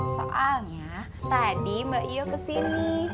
soalnya tadi mbak iyo ke sini